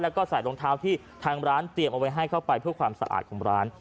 แล้วก็ใส่รองเท้าที่ทางร้านเตรียมเอาไว้ให้เข้าไปเพื่อความสะอาดของร้าน